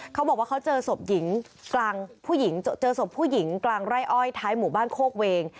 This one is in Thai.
เขาบอกว่าเขาเจอศพผู้หญิงกลางไร้อ้อยท้ายหมู่บ้านโคกเวง